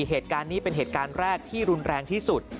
เหตุการณ์นี้เป็นเหตุการณ์แรกที่รุนแรงที่สุด